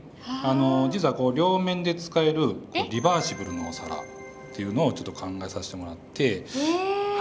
実は両面で使えるリバーシブルのお皿っていうのをちょっと考えさせてもらって。